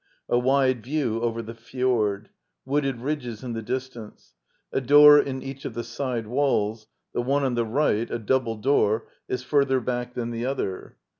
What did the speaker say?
A wide view over the fjord. Wooded ridges in the dis* tance. A door in each of the side walls: the one on the right, a double door, is further back than the other.